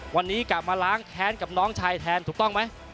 วันนี้กลับมาล้างแค้นกับน้องชายแทนถูกต้องไหม